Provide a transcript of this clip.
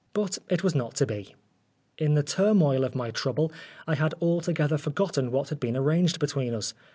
But it was not to be. Oscar Wilde In the turmoil of my trouble, I had alto gether forgotten what had been arranged between us.